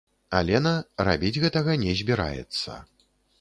Алена, рабіць гэтага не збіраецца.